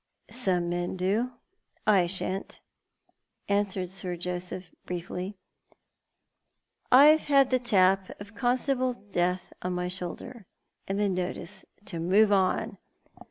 "Some men do. I shan't," answered Sir Joseph, briefly. "I've had the tap of Constable Death on my shoulder, and the notice to move on.